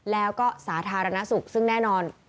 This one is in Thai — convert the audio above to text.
แล้วก็สาธารณสุขซึ่งแน่นอน